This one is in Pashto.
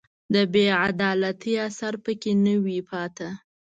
د بې عدالتۍ اثر په کې نه وي پاتې